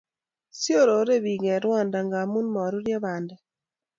shorore pik en rwanda ngamun maruryo pandek